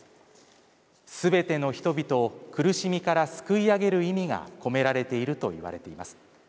全ての人々を苦しみからすくい上げる意味が込められているといわれています。